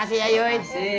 makasih ya yuy